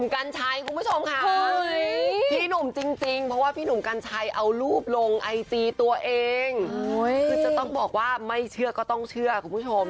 คือจะต้องบอกว่าไม่เชื่อก็ต้องเชื่อคุณผู้ชม